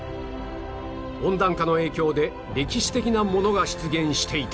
温暖化の影響で歴史的なものが出現していた